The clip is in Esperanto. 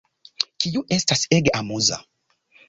Kiu estas ege amuza